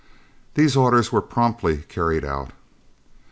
These orders were promptly carried out.